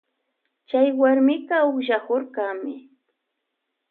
Chay warmika ukllakurkami.